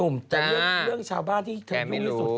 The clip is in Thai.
ไม่ใช่นุ่มแต่เรื่องชาวบ้านที่เธอรู้ที่สุดเนี่ย